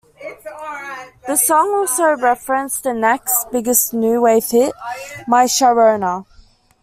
The song also referenced The Knack's biggest New Wave hit, "My Sharona".